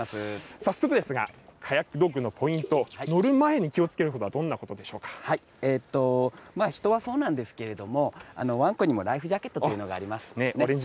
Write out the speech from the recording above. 早速ですが、カヤックドッグのポイント、乗る前に気をつける人はそうなんですけれども、わんこにもライフジャケットというのがありまして。